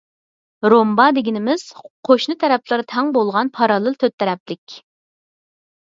رومبا دېگىنىمىز، قوشنا تەرەپلىرى تەڭ بولغان پاراللېل تۆت تەرەپلىك.